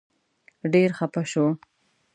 ډېر خپه شو.